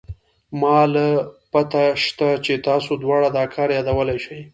ما له پته شتې چې تاسې دواړه دا كار يادولې شې.